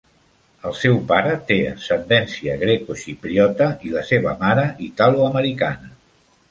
El seu pare té ascendència grecoxipriota i la seva mare, italoamericana.